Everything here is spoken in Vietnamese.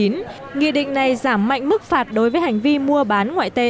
nghị định này giảm mạnh mức phạt đối với hành vi mua bán ngoại tệ